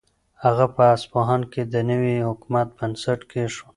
هغه په اصفهان کې د نوي حکومت بنسټ کېښود.